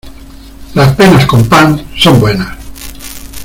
Las penas con pan son buenas.